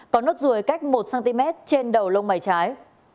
có nốt ruồi cách một cm trên đầu lông mày trái